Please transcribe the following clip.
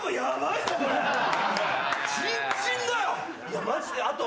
いやマジであと。